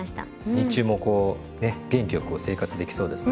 日中もこうね元気よく生活できそうですね。